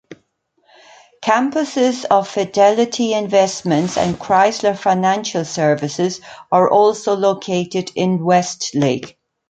Campuses of Fidelity Investments and Chrysler Financial Services are also located in Westlake.